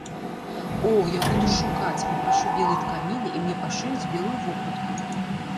О, я буду шукаць, папрашу белай тканіны, і мне пашыюць белую вопратку.